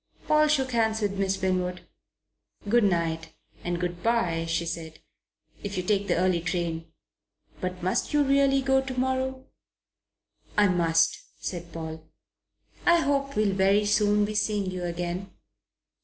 Paul shook hands with Miss Winwood. "Good night and good bye," she said, "if you take the early train. But must you really go to morrow?" "I must," said Paul. "I hope we'll very soon be seeing you again.